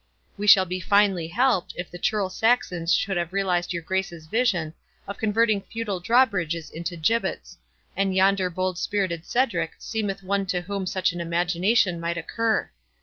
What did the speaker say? We shall be finely helped, if the churl Saxons should have realized your Grace's vision, of converting feudal drawbridges into gibbets; and yonder bold spirited Cedric seemeth one to whom such an imagination might occur.